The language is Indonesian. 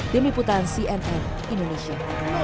demi putan cnn indonesia